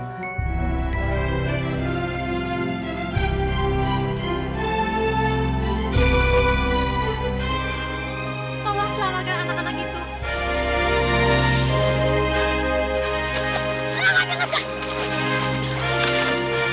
tolong selamatkan anak anak itu